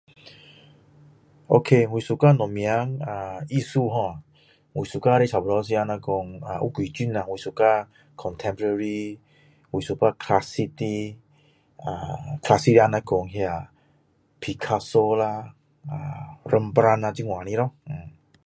Ok, 我喜欢什么呃艺术 ho 我喜欢的差不多自己若是说呃有几种啦我喜欢 contentores 我喜欢 classic 的啊 classic 就像讲那 Picasso 啦呃 rambala 这样的咯